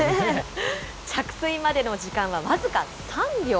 着水までの時間は僅か３秒。